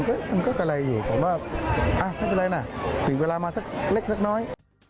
มันก็กะไรอยู่ผมว่าไม่เป็นไรนะถึงเวลามาสักเล็กสักน้อย